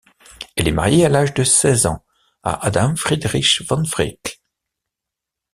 Elle est mariée à l'âge de seize ans à Adam Friedrich von Wreech.